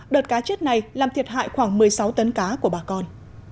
đợt cá chết này làm thiệt hại khoảng một mươi sáu tấn cá của bà con